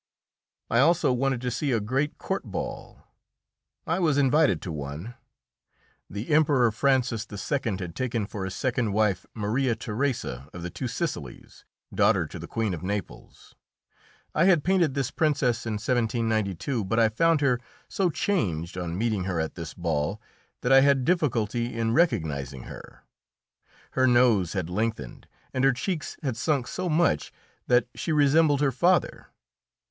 I also wanted to see a great court ball. I was invited to one. The Emperor Francis II. had taken for his second wife Maria Theresa of the two Sicilies, daughter to the Queen of Naples. I had painted this Princess in 1792, but I found her so changed on meeting her at this ball that I had difficulty in recognising her. Her nose had lengthened, and her cheeks had sunk so much that she resembled her father.